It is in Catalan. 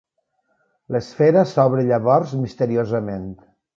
L'esfera s'obre llavors misteriosament.